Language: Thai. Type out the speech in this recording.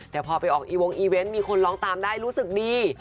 แต่พอไปออกอีวงอีเวนต์มีคนร้องตามได้รู้สึกดี